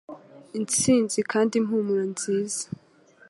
Intsinzi kandi impumuro nziza